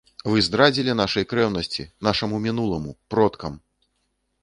Вы здрадзілі нашай крэўнасці, нашаму мінуламу, продкам!